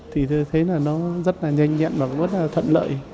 thì tôi thấy là nó rất là nhanh nhẹn và rất là thuận lợi